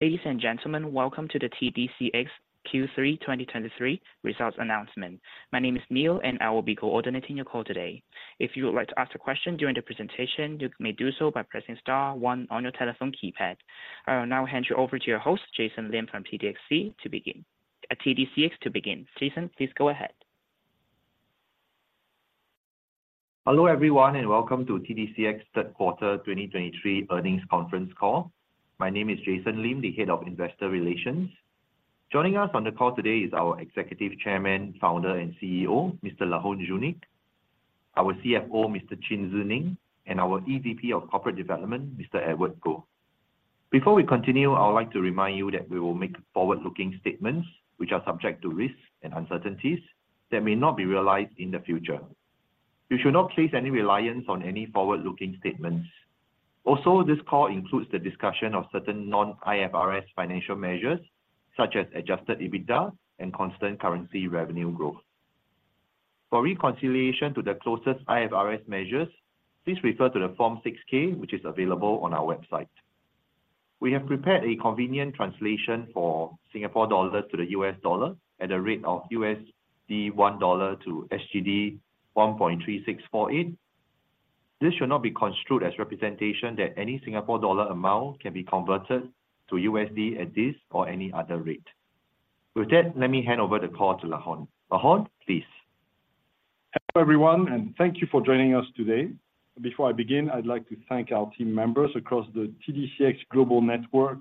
Ladies and gentlemen, welcome to the TDCX Q3 2023 results announcement. My name is Neil, and I will be coordinating your call today. If you would like to ask a question during the presentation, you may do so by pressing star one on your telephone keypad. I will now hand you over to your host, Jason Lim, from TDCX to begin. Jason, please go ahead. Hello, everyone, and welcome to TDCX third quarter 2023 earnings conference call. My name is Jason Lim, the Head of Investor Relations. Joining us on the call today is our Executive Chairman, Founder, and CEO, Mr. Laurent Junique, our CFO, Mr. Chin Tze Neng, and our EVP of Corporate Development, Mr. Edward Goh. Before we continue, I would like to remind you that we will make forward-looking statements which are subject to risks and uncertainties that may not be realized in the future. You should not place any reliance on any forward-looking statements. Also, this call includes the discussion of certain non-IFRS financial measures, such as Adjusted EBITDA and Constant Currency Revenue Growth. For reconciliation to the closest IFRS measures, please refer to the Form 6-K, which is available on our website. We have prepared a convenient translation for Singapore dollars to the US dollar at a rate of USD 1 to SGD 1.3648. This should not be construed as representation that any Singapore dollar amount can be converted to USD at this or any other rate. With that, let me hand over the call to Laurent. Laurent, please. Hello, everyone, and thank you for joining us today. Before I begin, I'd like to thank our team members across the TDCX global network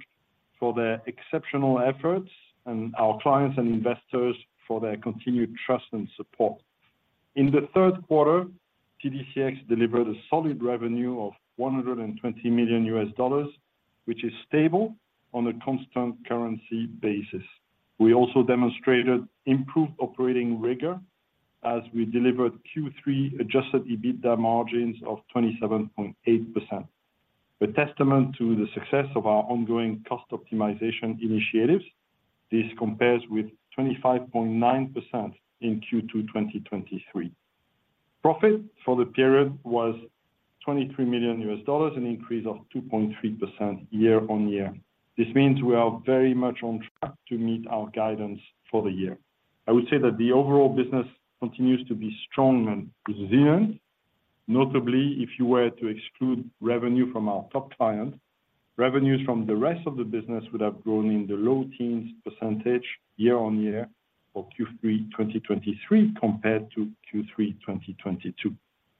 for their exceptional efforts and our clients and investors for their continued trust and support. In the third quarter, TDCX delivered a solid revenue of $120 million, which is stable on a constant currency basis. We also demonstrated improved operating rigor as we delivered Q3 Adjusted EBITDA margins of 27.8%. A testament to the success of our ongoing cost optimization initiatives, this compares with 25.9% in Q2 2023. Profit for the period was $23 million, an increase of 2.3% year-on-year. This means we are very much on track to meet our guidance for the year. I would say that the overall business continues to be strong and resilient. Notably, if you were to exclude revenue from our top client, revenues from the rest of the business would have grown in the low teens% year-over-year for Q3 2023, compared to Q3 2022.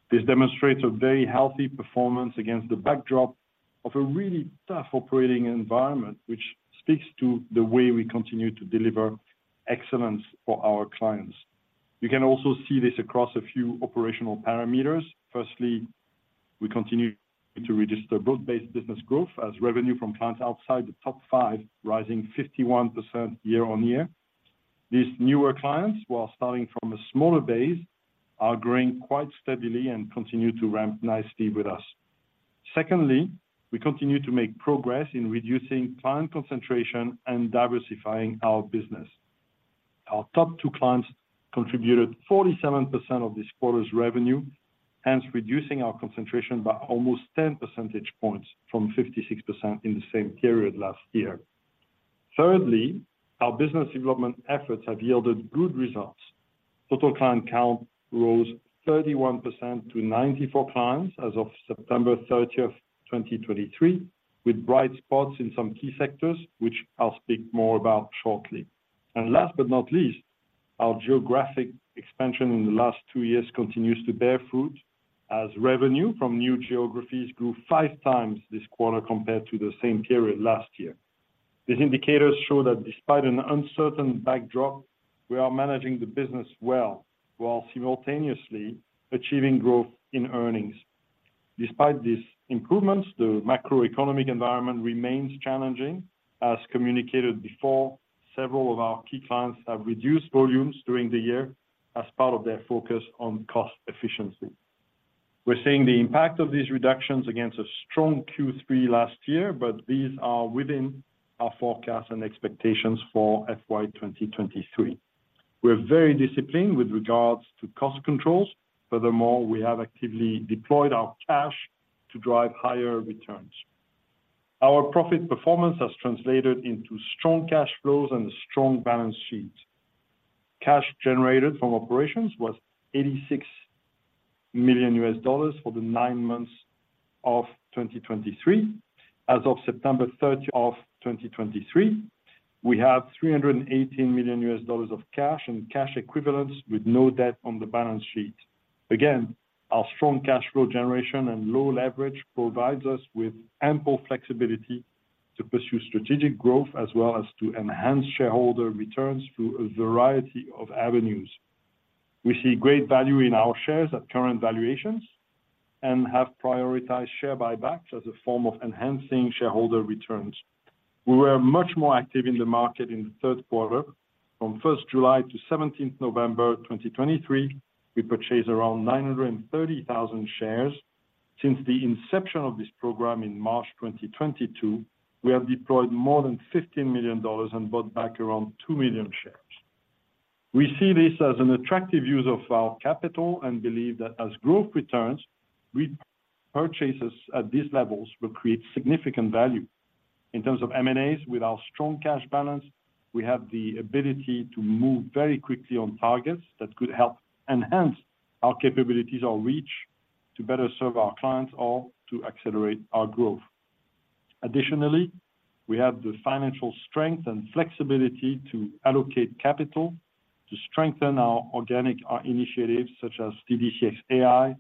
This demonstrates a very healthy performance against the backdrop of a really tough operating environment, which speaks to the way we continue to deliver excellence for our clients. You can also see this across a few operational parameters. Firstly, we continue to register broad-based business growth as revenue from clients outside the top five, rising 51% year-over-year. These newer clients, while starting from a smaller base, are growing quite steadily and continue to ramp nicely with us. Secondly, we continue to make progress in reducing client concentration and diversifying our business. Our top two clients contributed 47% of this quarter's revenue, hence reducing our concentration by almost 10 percentage points from 56% in the same period last year. Thirdly, our business development efforts have yielded good results. Total client count rose 31% to 94 clients as of September 30, 2023, with bright spots in some key sectors, which I'll speak more about shortly. And last but not least, our geographic expansion in the last 2 years continues to bear fruit as revenue from new geographies grew 5 times this quarter compared to the same period last year. These indicators show that despite an uncertain backdrop, we are managing the business well, while simultaneously achieving growth in earnings. Despite these improvements, the macroeconomic environment remains challenging. As communicated before, several of our key clients have reduced volumes during the year as part of their focus on cost efficiency. We're seeing the impact of these reductions against a strong Q3 last year, but these are within our forecast and expectations for FY 2023. We're very disciplined with regards to cost controls. Furthermore, we have actively deployed our cash to drive higher returns. Our profit performance has translated into strong cash flows and a strong balance sheet. Cash generated from operations was $86 million for the nine months of 2023. As of September 30, 2023, we have $318 million of cash and cash equivalents, with no debt on the balance sheet. Again, our strong cash flow generation and low leverage provides us with ample flexibility to pursue strategic growth, as well as to enhance shareholder returns through a variety of avenues. We see great value in our shares at current valuations and have prioritized share buybacks as a form of enhancing shareholder returns. We were much more active in the market in the third quarter. From July 1 to November 17, 2023, we purchased around 930,000 shares. Since the inception of this program in March 2022, we have deployed more than $15 million and bought back around 2 million shares. We see this as an attractive use of our capital and believe that as growth returns, our purchases at these levels will create significant value. In terms of M&As, with our strong cash balance, we have the ability to move very quickly on targets that could help enhance our capabilities or reach to better serve our clients or to accelerate our growth. Additionally, we have the financial strength and flexibility to allocate capital to strengthen our organic initiatives, such as TDCX AI,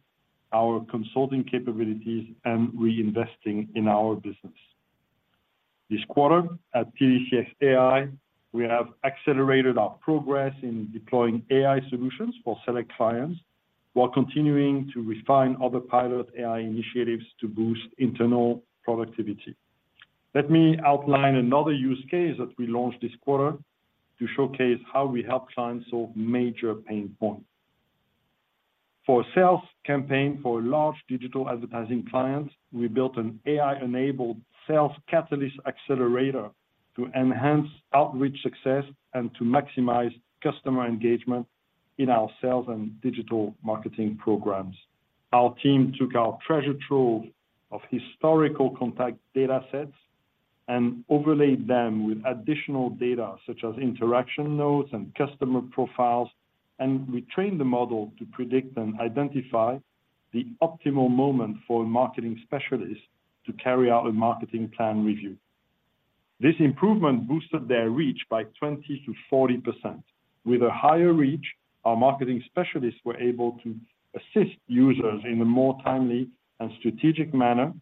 our consulting capabilities, and reinvesting in our business. This quarter at TDCX AI, we have accelerated our progress in deploying AI solutions for select clients, while continuing to refine other pilot AI initiatives to boost internal productivity. Let me outline another use case that we launched this quarter to showcase how we help clients solve major pain points. For a sales campaign for a large digital advertising client, we built an AI-enabled Sales Catalyst Accelerator to enhance outreach success and to maximize customer engagement in our sales and digital marketing programs. Our team took our treasure trove of historical contact data sets and overlaid them with additional data, such as interaction notes and customer profiles, and we trained the model to predict and identify the optimal moment for a marketing specialist to carry out a marketing plan review. This improvement boosted their reach by 20%-40%. With a higher reach, our marketing specialists were able to assist users in a more timely and strategic manner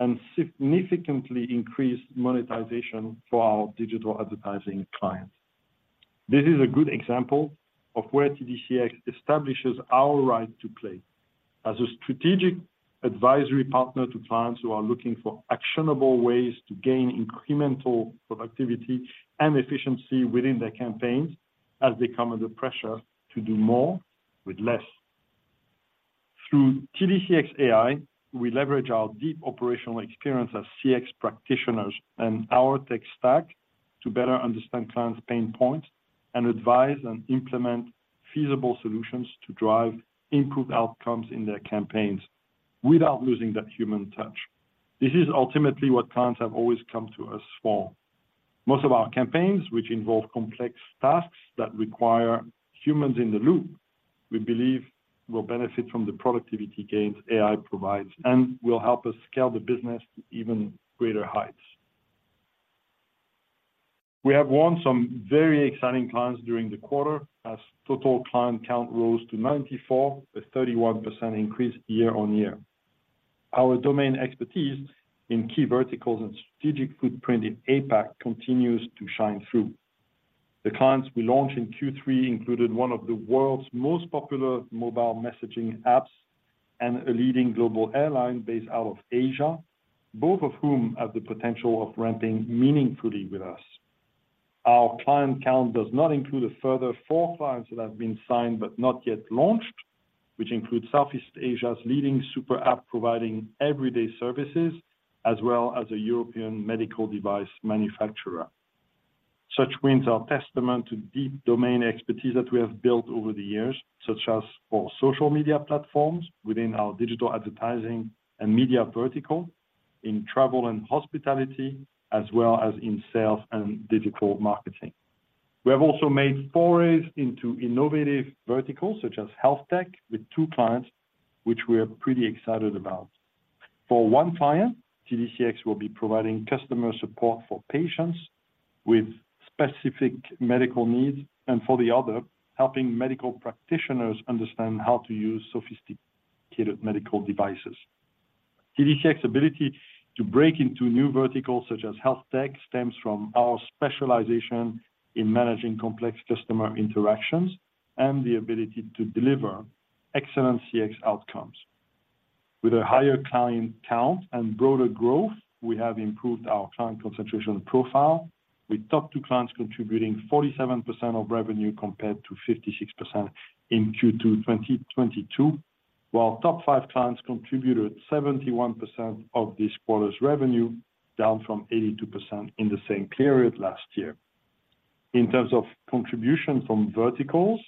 and significantly increase monetization for our digital advertising clients. This is a good example of where TDCX establishes our right to play as a strategic advisory partner to clients who are looking for actionable ways to gain incremental productivity and efficiency within their campaigns as they come under pressure to do more with less. Through TDCX AI, we leverage our deep operational experience as CX practitioners and our tech stack to better understand clients' pain points and advise and implement feasible solutions to drive improved outcomes in their campaigns without losing that human touch. This is ultimately what clients have always come to us for. Most of our campaigns, which involve complex tasks that require humans in the loop, we believe will benefit from the productivity gains AI provides and will help us scale the business to even greater heights. We have won some very exciting clients during the quarter, as total client count rose to 94, a 31% increase year-on-year. Our domain expertise in key verticals and strategic footprint in APAC continues to shine through. The clients we launched in Q3 included one of the world's most popular mobile messaging apps and a leading global airline based out of Asia, both of whom have the potential of ramping meaningfully with us. Our client count does not include a further four clients that have been signed but not yet launched, which include Southeast Asia's leading super app, providing everyday services, as well as a European medical device manufacturer. Such wins are a testament to the deep domain expertise that we have built over the years, such as for social media platforms within our digital advertising and media vertical, in travel and hospitality, as well as in sales and digital marketing. We have also made forays into innovative verticals such as health tech with two clients, which we are pretty excited about. For one client, TDCX will be providing customer support for patients with specific medical needs, and for the other, helping medical practitioners understand how to use sophisticated medical devices. TDCX's ability to break into new verticals, such as health tech, stems from our specialization in managing complex customer interactions and the ability to deliver excellent CX outcomes. With a higher client count and broader growth, we have improved our client concentration profile, with top two clients contributing 47% of revenue, compared to 56% in Q2 2022, while top five clients contributed 71% of this quarter's revenue, down from 82% in the same period last year. In terms of contribution from verticals,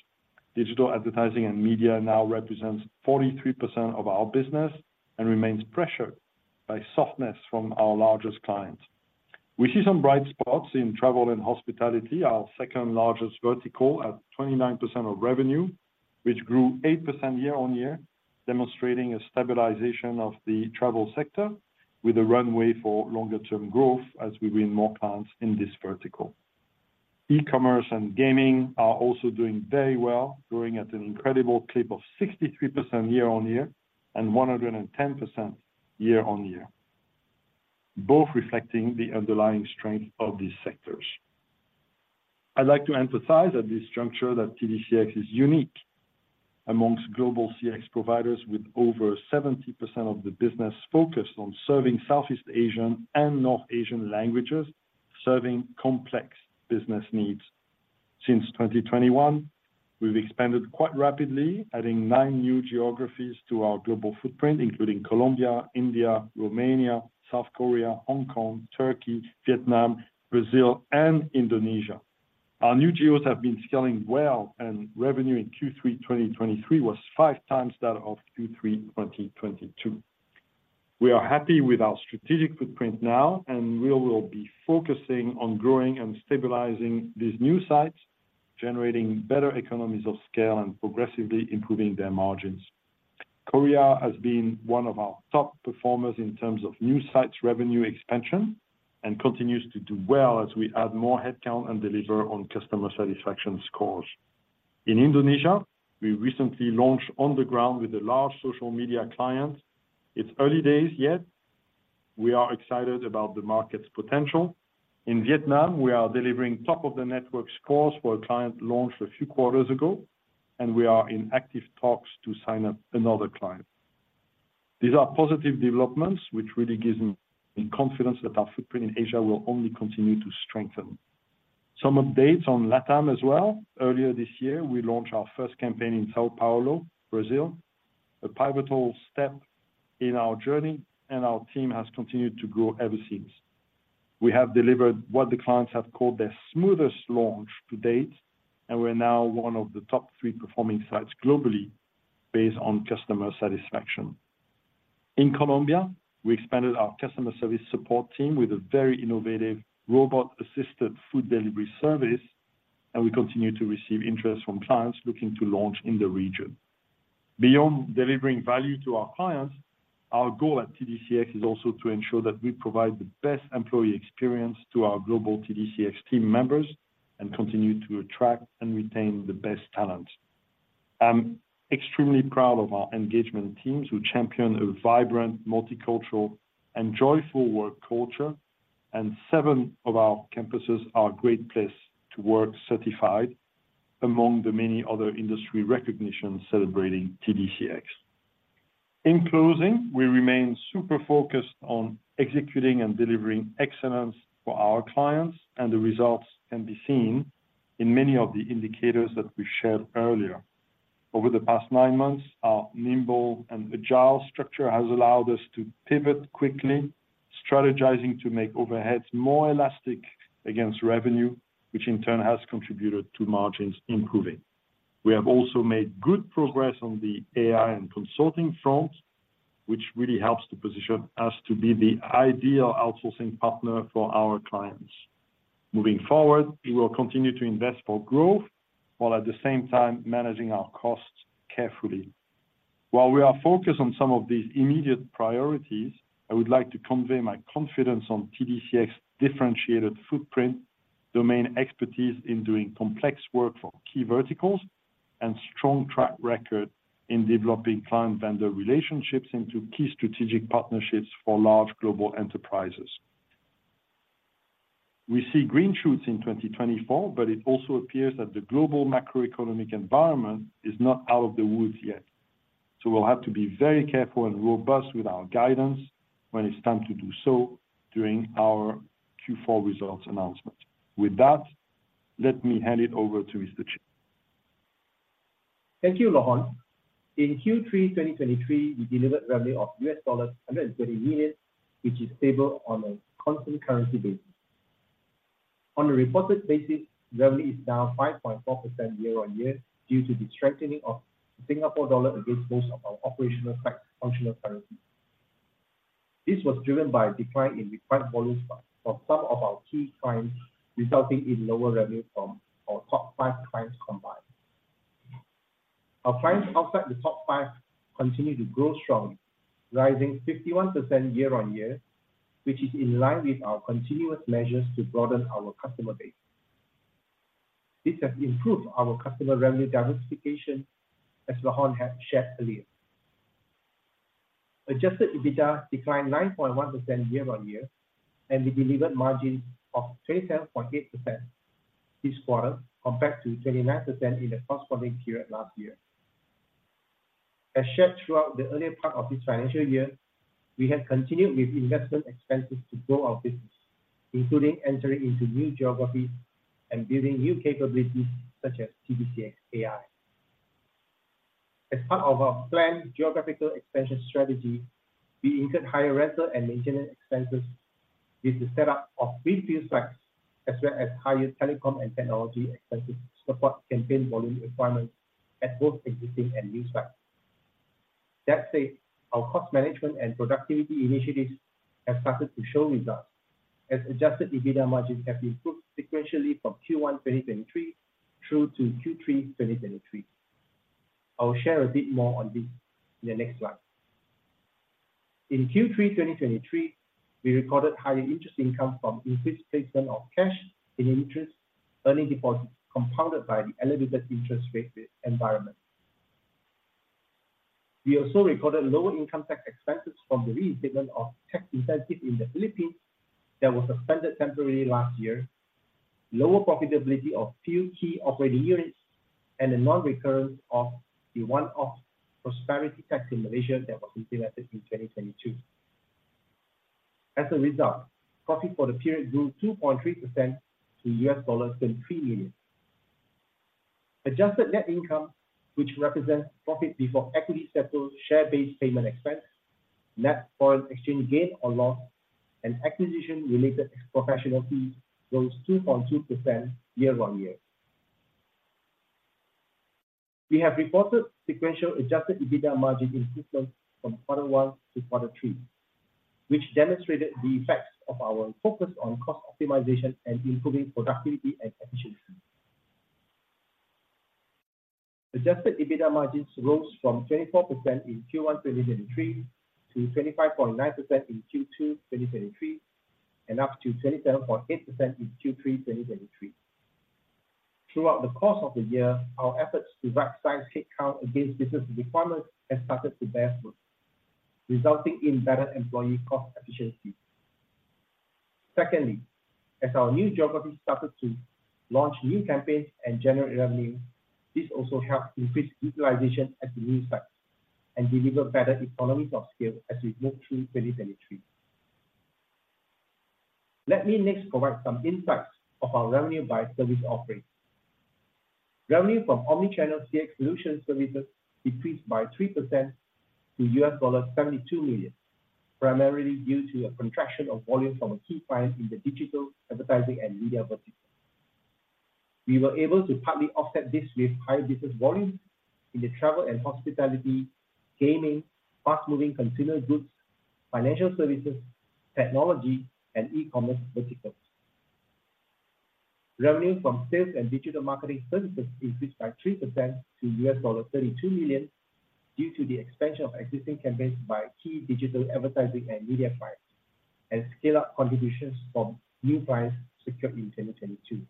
digital advertising and media now represents 43% of our business and remains pressured by softness from our largest clients. We see some bright spots in travel and hospitality, our second-largest vertical, at 29% of revenue, which grew 8% year-on-year, demonstrating a stabilization of the travel sector with a runway for longer-term growth as we win more clients in this vertical. E-commerce and gaming are also doing very well, growing at an incredible clip of 63% year-on-year and 110% year-on-year, both reflecting the underlying strength of these sectors. I'd like to emphasize at this juncture that TDCX is unique among global CX providers, with over 70% of the business focused on serving Southeast Asian and North Asian languages, serving complex business needs. Since 2021, we've expanded quite rapidly, adding 9 new geographies to our global footprint, including Colombia, India, Romania, South Korea, Hong Kong, Turkey, Vietnam, Brazil, and Indonesia.... Our new geos have been scaling well, and revenue in Q3 2023 was five times that of Q3 2022. We are happy with our strategic footprint now, and we will be focusing on growing and stabilizing these new sites, generating better economies of scale, and progressively improving their margins. Korea has been one of our top performers in terms of new sites revenue expansion, and continues to do well as we add more headcount and deliver on customer satisfaction scores. In Indonesia, we recently launched on the ground with a large social media client. It's early days, yet we are excited about the market's potential. In Vietnam, we are delivering top of the network scores for a client launched a few quarters ago, and we are in active talks to sign up another client. These are positive developments, which really gives me confidence that our footprint in Asia will only continue to strengthen. Some updates on LatAm as well. Earlier this year, we launched our first campaign in São Paulo, Brazil, a pivotal step in our journey, and our team has continued to grow ever since. We have delivered what the clients have called their smoothest launch to date, and we're now one of the top three performing sites globally based on customer satisfaction. In Colombia, we expanded our customer service support team with a very innovative robot-assisted food delivery service, and we continue to receive interest from clients looking to launch in the region. Beyond delivering value to our clients, our goal at TDCX is also to ensure that we provide the best employee experience to our global TDCX team members, and continue to attract and retain the best talent. I'm extremely proud of our engagement teams, who champion a vibrant, multicultural, and joyful work culture, and seven of our campuses are a Great Place to Work certified, among the many other industry recognitions celebrating TDCX. In closing, we remain super focused on executing and delivering excellence for our clients, and the results can be seen in many of the indicators that we shared earlier. Over the past nine months, our nimble and agile structure has allowed us to pivot quickly, strategizing to make overheads more elastic against revenue, which in turn has contributed to margins improving. We have also made good progress on the AI and consulting front, which really helps to position us to be the ideal outsourcing partner for our clients. Moving forward, we will continue to invest for growth, while at the same time managing our costs carefully. While we are focused on some of these immediate priorities, I would like to convey my confidence on TDCX differentiated footprint, domain expertise in doing complex work for key verticals, and strong track record in developing client-vendor relationships into key strategic partnerships for large global enterprises. We see green shoots in 2024, but it also appears that the global macroeconomic environment is not out of the woods yet. So we'll have to be very careful and robust with our guidance when it's time to do so during our Q4 results announcement. With that, let me hand it over to Mr. Chin. Thank you, Laurent. In Q3 2023, we delivered revenue of $130 million, which is stable on a constant currency basis. On a reported basis, revenue is down 5.4% year-on-year, due to the strengthening of Singapore dollar against most of our operational FX functional currency. This was driven by a decline in required volumes from some of our key clients, resulting in lower revenue from our top five clients combined. Our clients outside the top five continue to grow strongly, rising 51% year-on-year, which is in line with our continuous measures to broaden our customer base. This has improved our customer revenue diversification, as Laurent had shared earlier. Adjusted EBITDA declined 9.1% year-on-year, and we delivered margin of 27.8% this quarter, compared to 29% in the corresponding period last year. As shared throughout the earlier part of this financial year, we have continued with investment expenses to grow our business, including entering into new geographies and building new capabilities such as TDCX AI. As part of our planned geographical expansion strategy, we incurred higher rental and maintenance expenses with the setup of 3 field sites, as well as higher telecom and technology expenses to support campaign volume requirements at both existing and new sites. That said, our cost management and productivity initiatives have started to show results, as Adjusted EBITDA margins have improved sequentially from Q1 2023 through to Q3 2023. I will share a bit more on this in the next slide. In Q3 2023, we recorded higher interest income from increased placement of cash in interest-earning deposits compounded by the elevated interest rate environment. We also recorded lower income tax expenses from the reinstatement of tax incentive in the Philippines that was suspended temporarily last year, lower profitability of few key operating units, and the non-recurrence of the one-off prosperity tax in Malaysia that was implemented in 2022. As a result, profit for the period grew 2.3% to $23 million. Adjusted net income, which represents profit before equity-settled share-based payment expense, net foreign exchange gain or loss, and acquisition-related professional fees, rose 2.2% year-on-year. We have reported sequential Adjusted EBITDA margin improvement from Quarter One to Quarter Three, which demonstrated the effects of our focus on cost optimization and improving productivity and efficiency. Adjusted EBITDA margins rose from 24% in Q1 2023 to 25.9% in Q2 2023, and up to 27.8% in Q3 2023. Throughout the course of the year, our efforts to right-size headcount against business requirements have started to bear fruit, resulting in better employee cost efficiency. Secondly, as our new geographies started to launch new campaigns and generate revenue, this also helped increase utilization at the new sites and deliver better economies of scale as we moved through 2023. Let me next provide some insights of our revenue by service offerings. Revenue from omnichannel CX solution services decreased by 3% to $72 million, primarily due to a contraction of volume from a key client in the digital advertising and media vertical. We were able to partly offset this with higher business volumes in the travel and hospitality, gaming, fast-moving consumer goods, financial services, technology, and e-commerce verticals. Revenue from sales and digital marketing services increased by 3% to $32 million, due to the expansion of existing campaigns by key digital advertising and media clients, and scale-up contributions from new clients secured in 2022.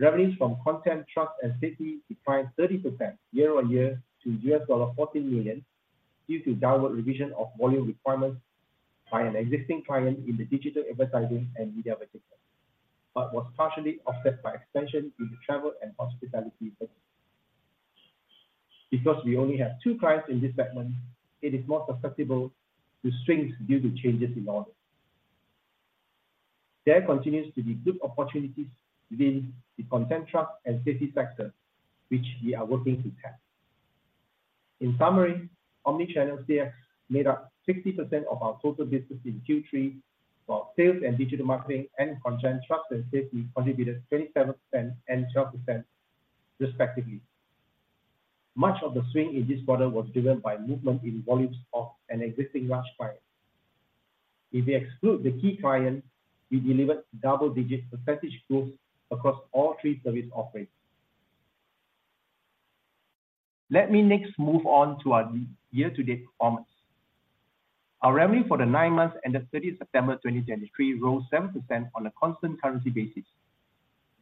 Revenues from content, trust, and safety declined 30% year-on-year to $14 million, due to downward revision of volume requirements by an existing client in the digital advertising and media vertical, but was partially offset by expansion in the travel and hospitality sector. Because we only have two clients in this segment, it is more susceptible to swings due to changes in orders. There continues to be good opportunities within the content, trust, and safety sector, which we are working to tap. In summary, omnichannel CX made up 60% of our total business in Q3, while sales and digital marketing and content, trust, and safety contributed 27% and 12%, respectively. Much of the swing in this quarter was driven by movement in volumes of an existing large client. If we exclude the key client, we delivered double-digit percentage growth across all three service offerings. Let me next move on to our year-to-date performance. Our revenue for the nine months ended 30 September 2023, rose 7% on a constant currency basis.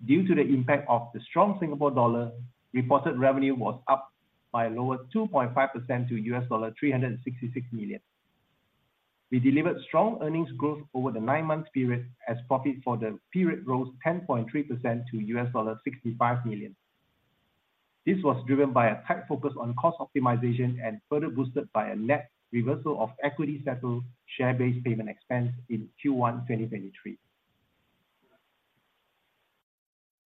Due to the impact of the strong Singapore dollar, reported revenue was up by a lower 2.5% to $366 million. We delivered strong earnings growth over the nine-month period, as profit for the period rose 10.3% to $65 million. This was driven by a tight focus on cost optimization and further boosted by a net reversal of equity-settled share-based payment expense in Q1 2023.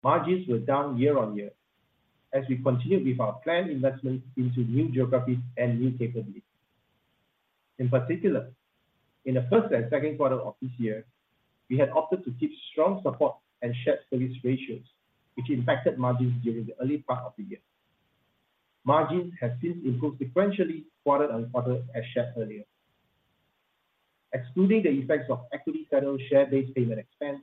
Margins were down year-over-year as we continued with our planned investment into new geographies and new capabilities. In particular, in the first and second quarter of this year, we had opted to keep strong support and shared service ratios, which impacted margins during the early part of the year. Margins have since improved sequentially, quarter-over-quarter, as shared earlier. Excluding the effects of equity-settled share-based payment expense,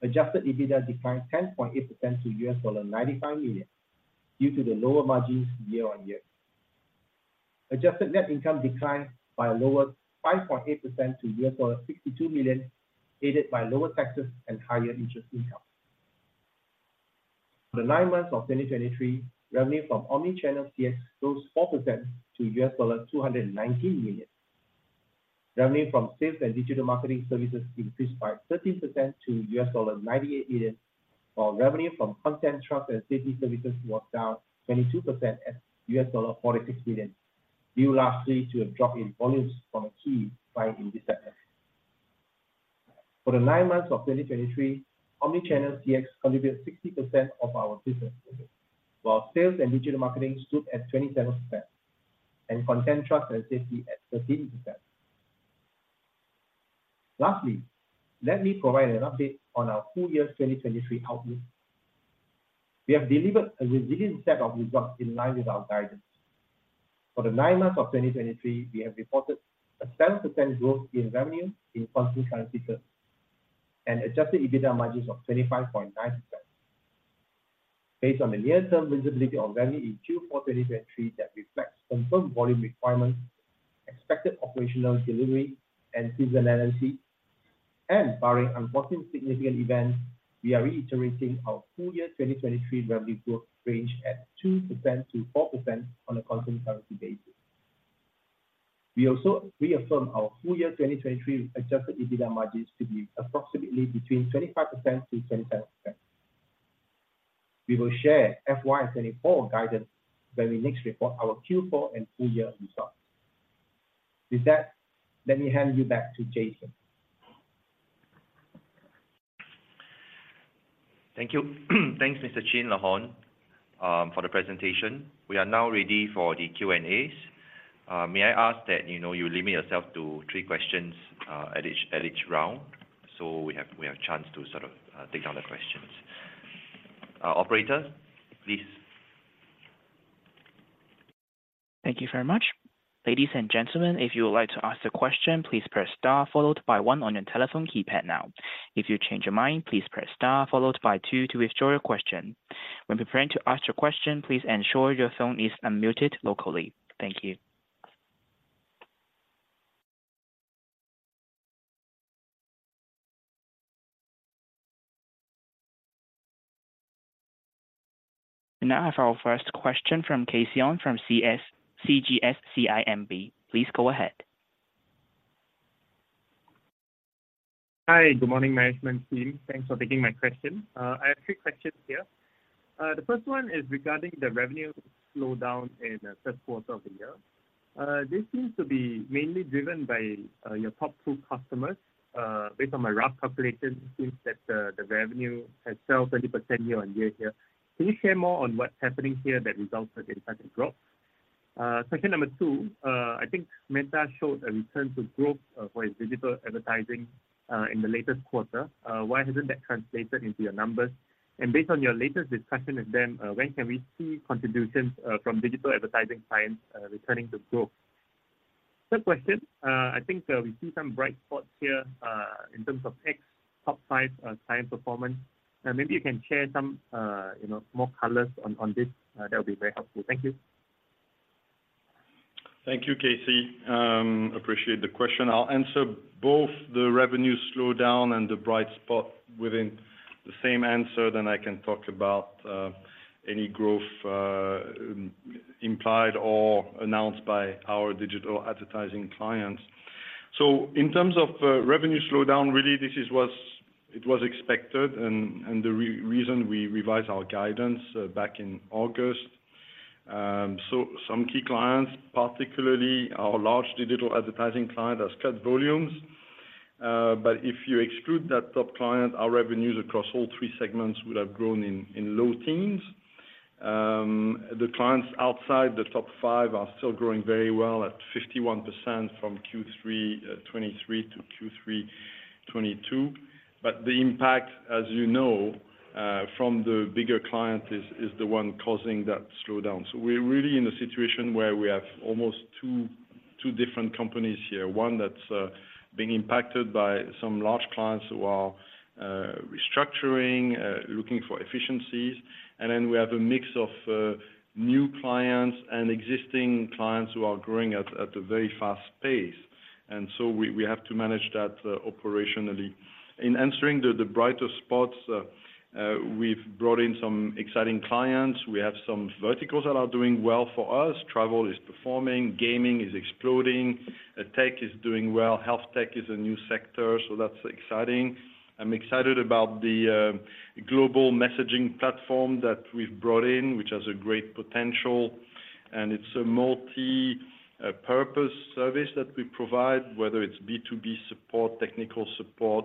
Adjusted EBITDA declined 10.8% to $95 million due to the lower margins year-over-year. Adjusted Net Income declined by a lower 5.8% to $62 million, aided by lower taxes and higher interest income. For the nine months of 2023, revenue from Omnichannel CX rose 4% to $219 million. Revenue from Sales and Digital Marketing Services increased by 13% to $98 million, while revenue from Content, Trust and Safety Services was down 22% at $46 million, due largely to a drop in volumes from a key client in this segment. For the nine months of 2023, Omnichannel CX contributed 60% of our business revenue, while Sales and Digital Marketing Services stood at 27%, and Content, Trust and Safety Services at 13%. Lastly, let me provide an update on our full year 2023 outlook. We have delivered a resilient set of results in line with our guidance. For the 9 months of 2023, we have reported a 7% growth in revenue in constant currency terms and Adjusted EBITDA margins of 25.9%. Based on the near-term visibility of revenue in Q4 2023 that reflects confirmed volume requirements, expected operational delivery, and seasonality, and barring unforeseen significant events, we are reiterating our full year 2023 revenue growth range at 2%-4% on a constant currency basis. We also reaffirm our full year 2023 Adjusted EBITDA margins to be approximately between 25%-27%. We will share FY 2024 guidance when we next report our Q4 and full year results. With that, let me hand you back to Jason. Thank you. Thanks, Mr. Chin Tze Neng, for the presentation. We are now ready for the Q&As. May I ask that, you know, you limit yourself to three questions at each, at each round, so we have, we have a chance to sort of take down the questions. Operator, please. Thank you very much. Ladies and gentlemen, if you would like to ask a question, please press star followed by one on your telephone keypad now. If you change your mind, please press star followed by two to withdraw your question. When preparing to ask your question, please ensure your phone is unmuted locally. Thank you. We now have our first question from KC Ong from CGS-CIMB. Please go ahead. Hi, good morning, management team. Thanks for taking my question. I have three questions here. The first one is regarding the revenue slowdown in the first quarter of the year. This seems to be mainly driven by your top two customers. Based on my rough calculation, it seems that the revenue has fell 20% year-on-year here. Can you share more on what's happening here that results in such a drop? Question number two. I think Meta showed a return to growth for its digital advertising in the latest quarter. Why hasn't that translated into your numbers? And based on your latest discussion with them, when can we see contributions from digital advertising clients returning to growth? Third question. I think we see some bright spots here in terms of ex-top five client performance. Maybe you can share some you know more colors on this. That would be very helpful. Thank you. Thank you, Casey. Appreciate the question. I'll answer both the revenue slowdown and the bright spot within the same answer, then I can talk about any growth implied or announced by our digital advertising clients. So in terms of revenue slowdown, really this is what was expected and the reason we revised our guidance back in August. So some key clients, particularly our large digital advertising client, has cut volumes. But if you exclude that top client, our revenues across all three segments would have grown in low teens. The clients outside the top five are still growing very well at 51% from Q3 2023 to Q3 2022. But the impact, as you know, from the bigger clients, is the one causing that slowdown. So we're really in a situation where we have almost two different companies here. One that's being impacted by some large clients who are restructuring, looking for efficiencies. And then we have a mix of new clients and existing clients who are growing at a very fast pace. And so we have to manage that operationally. In answering the brighter spots, we've brought in some exciting clients. We have some verticals that are doing well for us. Travel is performing, gaming is exploding, tech is doing well. Health tech is a new sector, so that's exciting. I'm excited about the global messaging platform that we've brought in, which has a great potential, and it's a multipurpose service that we provide, whether it's B2B support, technical support,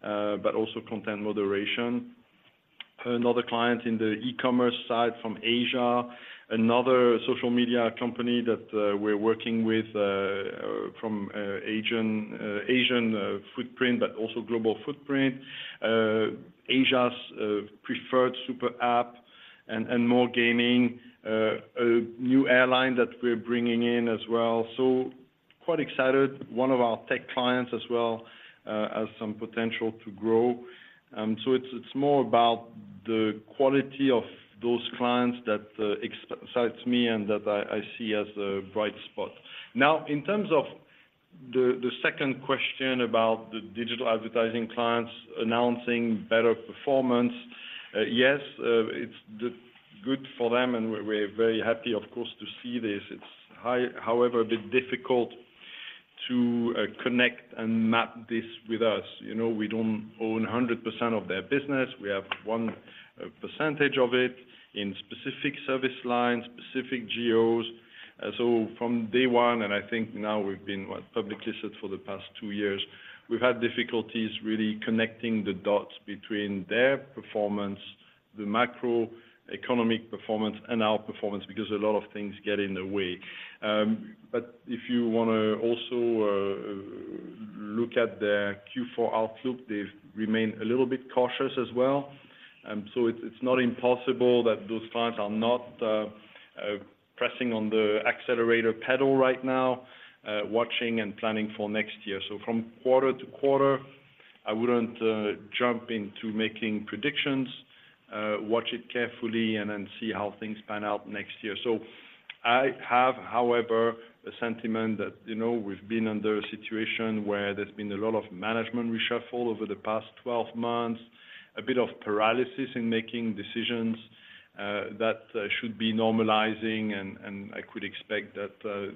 but also content moderation. Another client in the e-commerce side from Asia, another social media company that we're working with from Asian footprint, but also global footprint. Asia's preferred super app and more gaming, a new airline that we're bringing in as well. So quite excited. One of our tech clients as well has some potential to grow. So it's more about the quality of those clients that excites me and that I see as a bright spot. Now, in terms of the second question about the digital advertising clients announcing better performance, yes, it's good for them, and we're very happy, of course, to see this. It's however, a bit difficult to connect and map this with us. You know, we don't own 100% of their business. We have one percentage of it in specific service lines, specific geos. So from day one, and I think now we've been, what? Publicly set for the past two years, we've had difficulties really connecting the dots between their performance, the macroeconomic performance, and our performance, because a lot of things get in the way. But if you want to also look at their Q4 outlook, they've remained a little bit cautious as well. So it's not impossible that those clients are not pressing on the accelerator pedal right now, watching and planning for next year. So from quarter to quarter, I wouldn't jump into making predictions. Watch it carefully and then see how things pan out next year. So I have, however, a sentiment that, you know, we've been under a situation where there's been a lot of management reshuffle over the past 12 months, a bit of paralysis in making decisions that should be normalizing. And I could expect that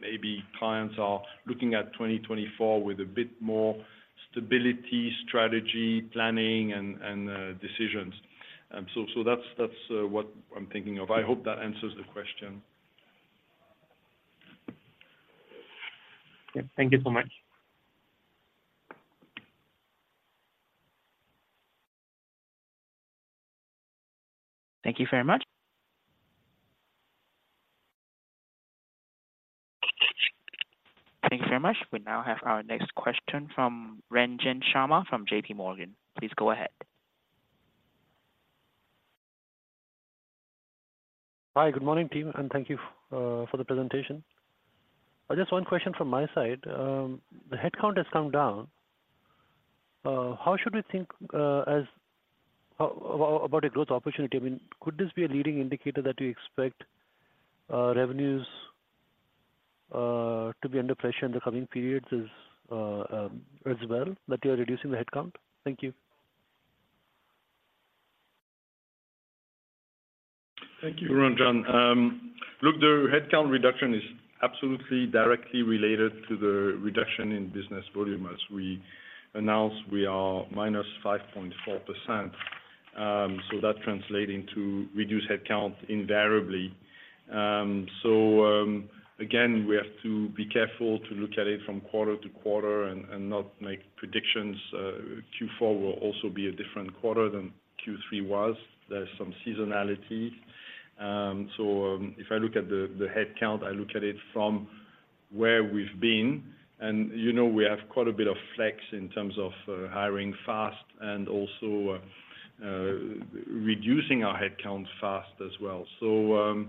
maybe clients are looking at 2024 with a bit more stability, strategy, planning, and decisions. So that's what I'm thinking of. I hope that answers the question. Okay, thank you so much. Thank you very much. Thank you very much. We now have our next question from Ranjan Sharma from JP Morgan. Please go ahead. Hi, good morning, team, and thank you for the presentation. Just one question from my side. The headcount has come down. How should we think about a growth opportunity? I mean, could this be a leading indicator that you expect revenues to be under pressure in the coming periods as well that you are reducing the headcount? Thank you. Thank you, Ranjan. Look, the headcount reduction is absolutely directly related to the reduction in business volume. As we announced, we are minus 5.4%, so that translating to reduced headcount invariably. So, again, we have to be careful to look at it from quarter to quarter and not make predictions. Q4 will also be a different quarter than Q3 was. There's some seasonality. So, if I look at the headcount, I look at it from where we've been, and, you know, we have quite a bit of flex in terms of hiring fast and also reducing our headcount fast as well. So,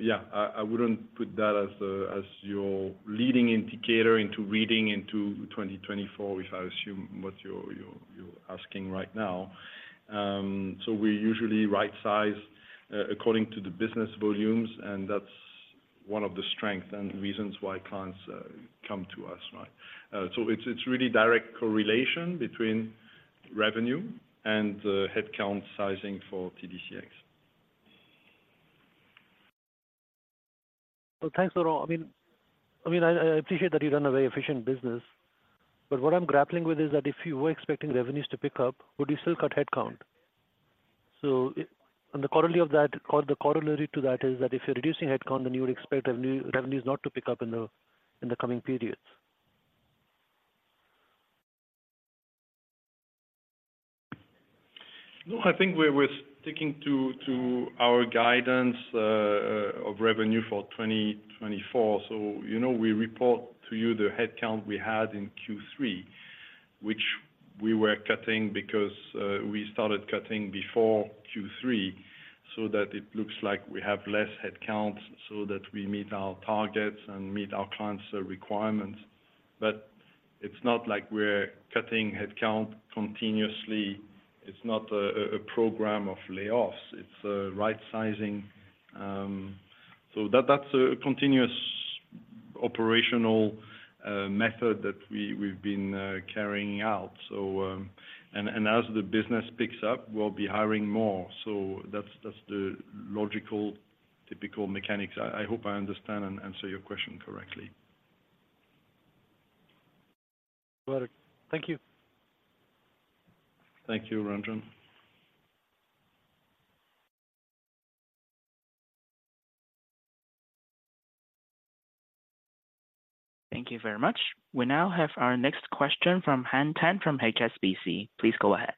yeah, I wouldn't put that as your leading indicator into reading into 2024, if I assume what you're asking right now. So we usually right size according to the business volumes, and that's one of the strength and reasons why clients come to us, right? So it's really direct correlation between revenue and headcount sizing for TDCX. Well, thanks, Laurent. I mean, I appreciate that you run a very efficient business, but what I'm grappling with is that if you were expecting revenues to pick up, would you still cut headcount? So and the corollary of that, or the corollary to that, is that if you're reducing headcount, then you would expect revenues not to pick up in the coming periods. No, I think we're sticking to our guidance of revenue for 2024. So, you know, we report to you the headcount we had in Q3, which we were cutting because we started cutting before Q3, so that it looks like we have less headcount, so that we meet our targets and meet our clients' requirements. But it's not like we're cutting headcount continuously. It's not a program of layoffs. It's a right sizing. So that's a continuous operational method that we've been carrying out. And as the business picks up, we'll be hiring more. So that's the logical, typical mechanics. I hope I understand and answer your question correctly. Got it. Thank you. Thank you, Ranjan. Thank you very much. We now have our next question from Han Tan from HSBC. Please go ahead.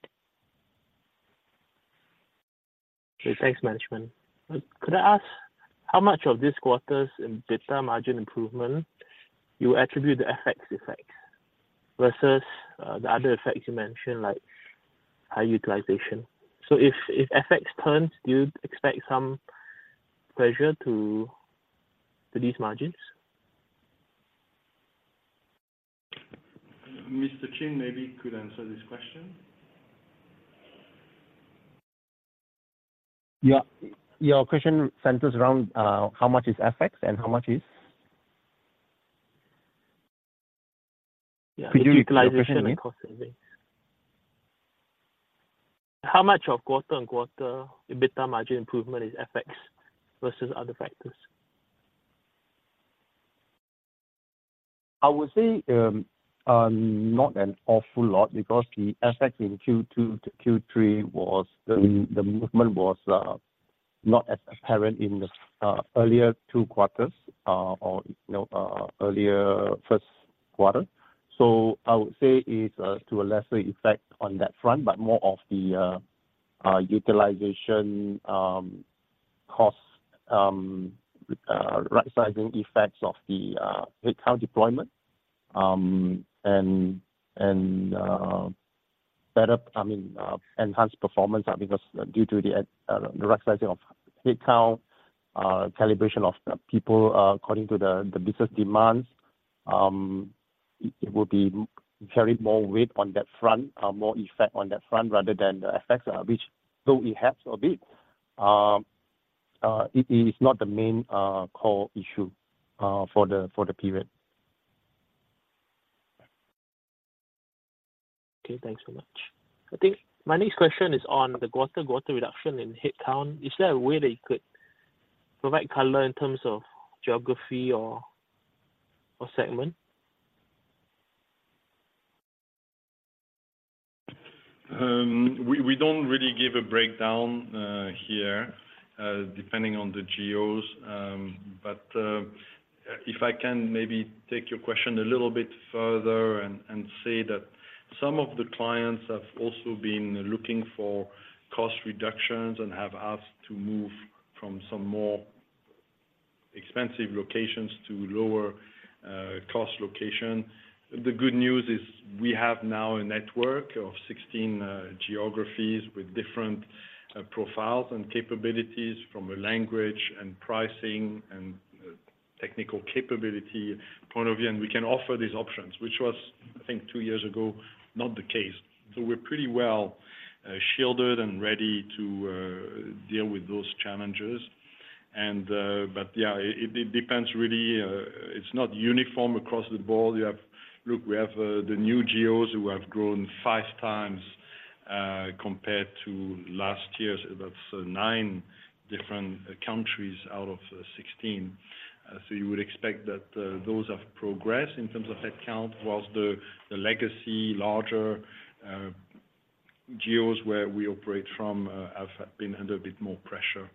Thanks, management. Could I ask how much of this quarter's EBITDA margin improvement you attribute the FX effect versus, the other effects you mentioned, like high utilization? So if FX turns, do you expect some pressure to these margins? Mr. Chin maybe could answer this question. Yeah. Your question centers around, how much is FX and how much is...? Yeah. Could you repeat your question again? Utilization and cost saving. How much of quarter-on-quarter, EBITDA margin improvement is FX versus other factors? I would say, not an awful lot because the effect in Q2 to Q3 was the the movement was not as apparent in the earlier two quarters, or, you know, earlier first quarter. So I would say it's to a lesser effect on that front, but more of the utilization cost right-sizing effects of the headcount deployment. And better, I mean, enhanced performance because due to the right-sizing of headcount, calibration of people according to the business demands, it will be carrying more weight on that front, more effect on that front rather than the effects, which though it helps a bit, it is not the main core issue for the period. Okay, thanks so much. I think my next question is on the quarter quarter reduction in headcount. Is there a way that you could provide color in terms of geography or, or segment? We don't really give a breakdown here, depending on the geos. But if I can maybe take your question a little bit further and say that some of the clients have also been looking for cost reductions and have asked to move from some more expensive locations to lower cost location. The good news is we have now a network of 16 geographies with different profiles and capabilities from a language and pricing and technical capability point of view, and we can offer these options, which was, I think, two years ago, not the case. So we're pretty well shielded and ready to deal with those challenges. And... but yeah, it depends really, it's not uniform across the board. We have, look, we have the new geos who have grown 5 times compared to last year. So that's 9 different countries out of 16. So you would expect that those have progressed in terms of headcount, while the legacy larger geos where we operate from have been under a bit more pressure.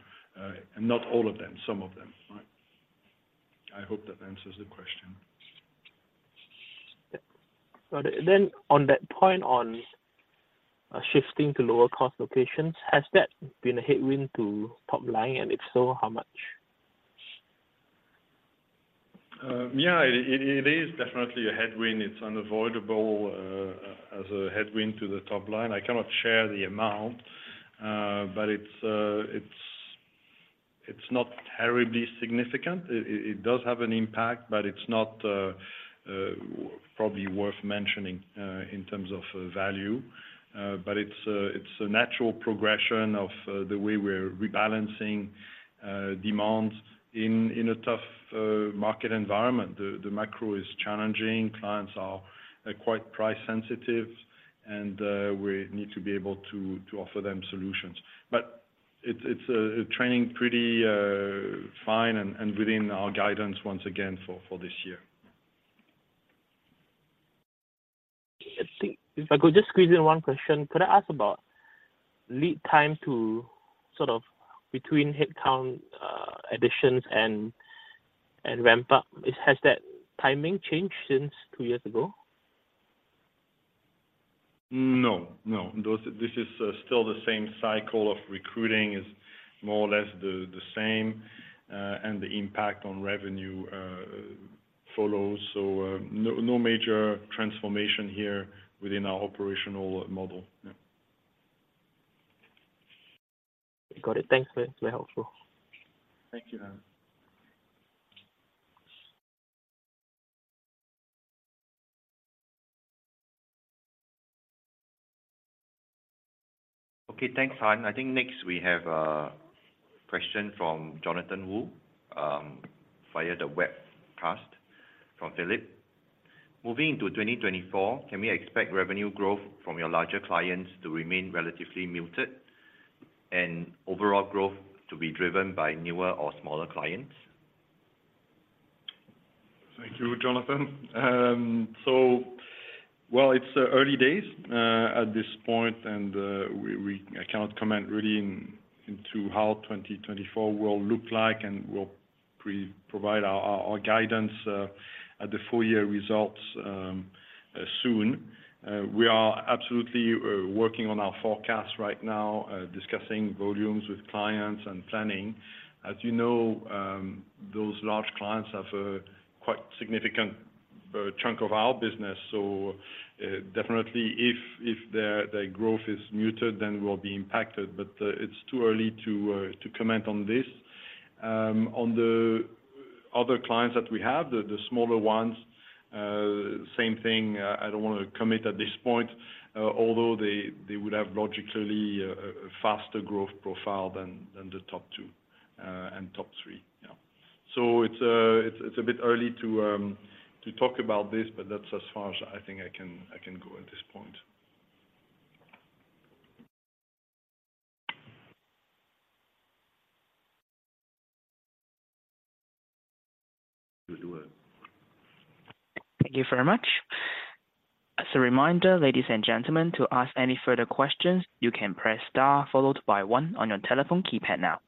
And not all of them, some of them, right? I hope that answers the question. Yeah. Got it. Then on that point, on, shifting to lower cost locations, has that been a headwind to top line? And if so, how much? Yeah, it is definitely a headwind. It's unavoidable as a headwind to the top line. I cannot share the amount, but it's not terribly significant. It does have an impact, but it's not probably worth mentioning in terms of value. But it's a natural progression of the way we're rebalancing demand in a tough market environment. The macro is challenging. Clients are quite price sensitive, and we need to be able to offer them solutions. But it's training pretty fine and within our guidance once again for this year. I think if I could just squeeze in one question, could I ask about lead time to sort of between headcount additions and ramp-up? Has that timing changed since two years ago? No, no. Those... This is still the same cycle of recruiting, is more or less the same, and the impact on revenue follows. No major transformation here within our operational model. Yeah. Got it. Thanks, mate. Very helpful. Thank you, Han. Okay, thanks, Han. I think next we have question from Jonathan Woo via the webcast from Phillip. Moving into 2024, can we expect revenue growth from your larger clients to remain relatively muted and overall growth to be driven by newer or smaller clients? Thank you, Jonathan. So, well, it's early days at this point, and I cannot comment really into how 2024 will look like, and we'll provide our guidance at the full year results soon. We are absolutely working on our forecast right now, discussing volumes with clients and planning. As you know, those large clients have a quite significant chunk of our business, so definitely if their growth is muted, then we'll be impacted. But it's too early to comment on this. On the other clients that we have, the smaller ones, same thing, I don't want to commit at this point, although they would have logically a faster growth profile than the top two and top three. Yeah. So it's a bit early to talk about this, but that's as far as I think I can go at this point. Thank you very much. As a reminder, ladies and gentlemen, to ask any further questions, you can press star, followed by one on your telephone keypad now.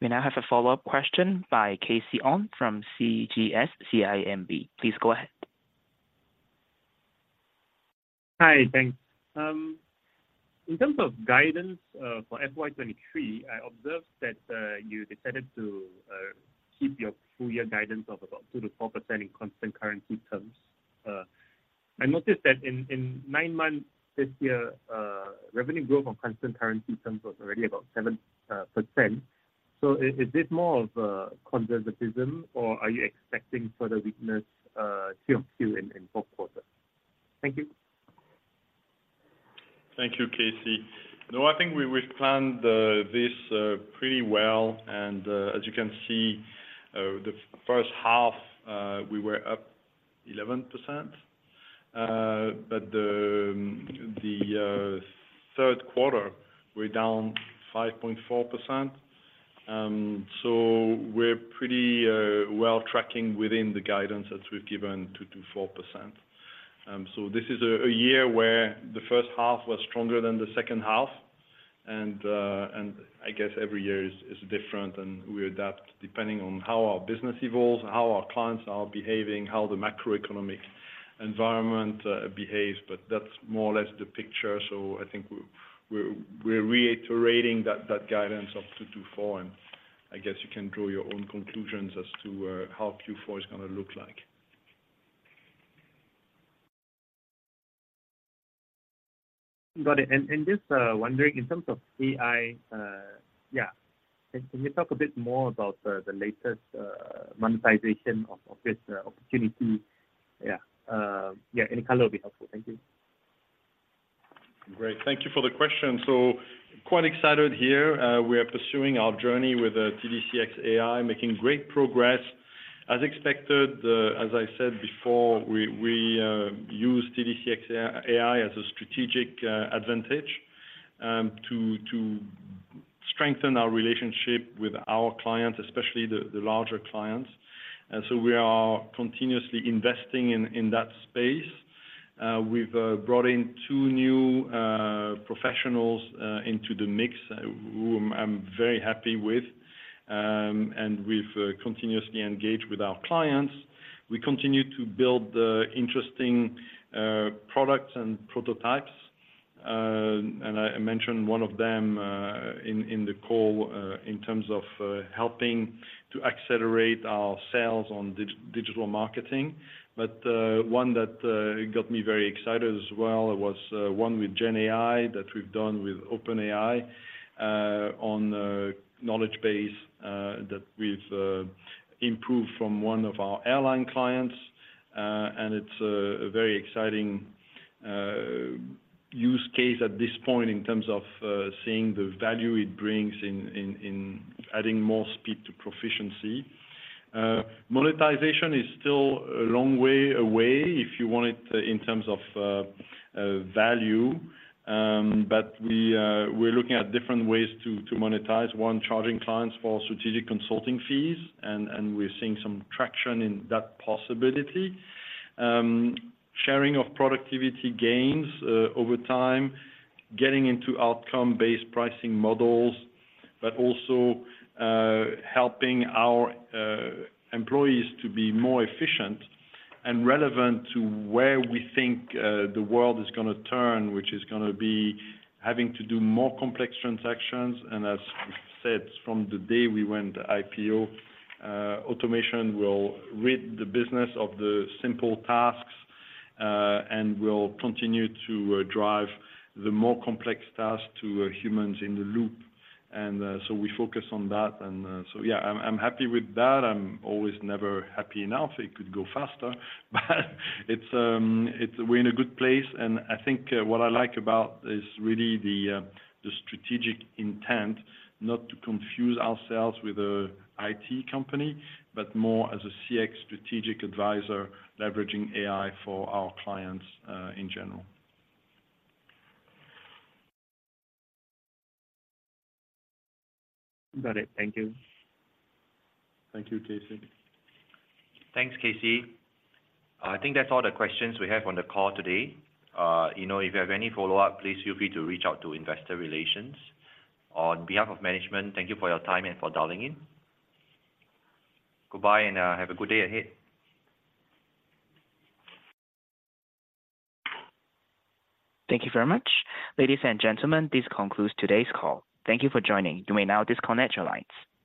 We now have a follow-up question by Casey Ong from CGS-CIMB. Please go ahead. Hi, thanks. In terms of guidance, for FY 2023, I observed that you decided to keep your full year guidance of about 2%-4% in constant currency terms. I noticed that in 9 months this year, revenue growth on constant currency terms was already about 7%. So is this more of a conservatism, or are you expecting further weakness Q on Q in fourth quarter? Thank you. Thank you, Casey. No, I think we, we've planned this pretty well, and as you can see, the first half we were up 11%. But the third quarter, we're down 5.4%. So we're pretty well tracking within the guidance that we've given, 2%-4%. So this is a year where the first half was stronger than the second half, and I guess every year is different, and we adapt depending on how our business evolves and how our clients are behaving, how the macroeconomic environment behaves. But that's more or less the picture. So I think we're reiterating that guidance of 2%-4%, and I guess you can draw your own conclusions as to how Q4 is gonna look like. Got it. And just wondering in terms of AI, yeah. Can you talk a bit more about the latest monetization of this opportunity? Yeah. Yeah, any color will be helpful. Thank you. Great. Thank you for the question. So quite excited here. We are pursuing our journey with TDCX AI, making great progress. As expected, as I said before, we use TDCX AI as a strategic advantage to strengthen our relationship with our clients, especially the larger clients. And so we are continuously investing in that space. We've brought in two new professionals into the mix, whom I'm very happy with, and we've continuously engaged with our clients. We continue to build the interesting products and prototypes. And I mentioned one of them in the call in terms of helping to accelerate our sales on digital marketing. But one that got me very excited as well was one with Gen AI that we've done with OpenAI on a knowledge base that we've improved from one of our airline clients. And it's a very exciting use case at this point in terms of seeing the value it brings in adding more speed to proficiency. Monetization is still a long way away, if you want it, in terms of value. But we're looking at different ways to monetize. One, charging clients for strategic consulting fees, and we're seeing some traction in that possibility. Sharing of productivity gains over time, getting into outcome-based pricing models, but also helping our employees to be more efficient and relevant to where we think the world is gonna turn, which is gonna be having to do more complex transactions. And as we said, from the day we went IPO, automation will rid the business of the simple tasks and will continue to drive the more complex tasks to humans in the loop. So we focus on that. So yeah, I'm happy with that. I'm always never happy enough. It could go faster, but it's, we're in a good place, and I think what I like about is really the strategic intent, not to confuse ourselves with a IT company, but more as a CX strategic advisor, leveraging AI for our clients in general. Got it. Thank you. Thank you, K.C. Thanks, KC. I think that's all the questions we have on the call today. You know, if you have any follow-up, please feel free to reach out to investor relations. On behalf of management, thank you for your time and for dialing in. Goodbye, and have a good day ahead. Thank you very much. Ladies and gentlemen, this concludes today's call. Thank you for joining. You may now disconnect your lines.